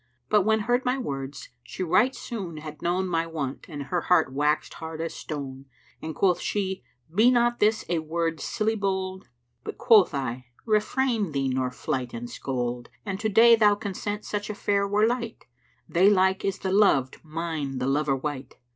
But when heard my words, she right soon had known My want and her heart waxed hard as stone, And quoth she, 'Be not this a word silly bold?' But quoth I, 'Refrain thee nor flyte and scold! An to day thou consent such affair were light; They like is the loved, mine the lover wight!'